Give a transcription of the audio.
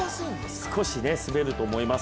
少し滑ると思います。